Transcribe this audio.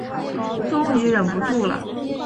终于忍不住了